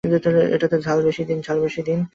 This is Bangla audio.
এটাতে ঝাল দিন।